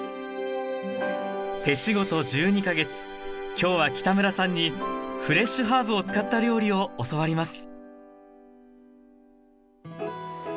今日は北村さんにフレッシュハーブを使った料理を教わります